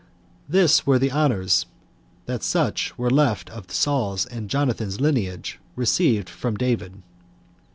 1. This were the honors that such as were left of Saul's and Jonathan's lineage received from David.